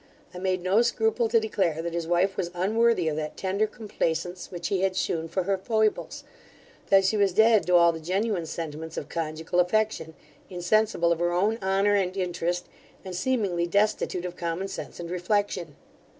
I made no scruple to declare, that his wife was unworthy of that tender complaisance which he had shewn for her foibles: that she was dead to all the genuine sentiments of conjugal affection; insensible of her own honour and interest, and seemingly destitute of common sense and reflection.